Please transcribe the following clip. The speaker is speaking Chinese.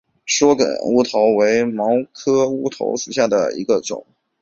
缩梗乌头为毛茛科乌头属下的一个种。